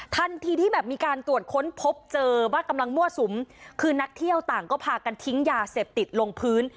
ทันทีที่แบบมีการตรวจค้นพบเจอว่ากำลังมั่วสุมคือนักเที่ยวต่างก็พากันทิ้งยาเสพติดลงพื้น